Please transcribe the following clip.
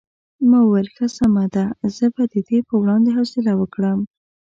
ما وویل ښه سمه ده زه به د دې په وړاندې حوصله وکړم.